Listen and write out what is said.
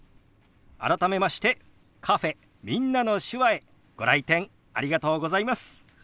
改めましてカフェ「みんなの手話」へご来店ありがとうございます。